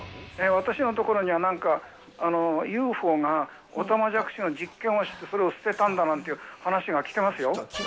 私の所にはなんか、ＵＦＯがオタマジャクシの実験をして、それを捨てたんだなんていう話が来てますよ。